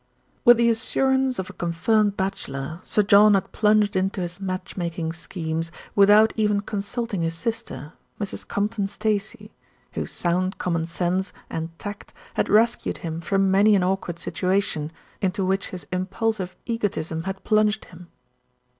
With the assurance of a confirmed bachelor, Sir John had plunged into his match making schemes with out even consulting his sister, Mrs. Compton Stacey, whose sound commonsense and tact had rescued him from many an awkward situation into which his im pulsive egotism had plunged him.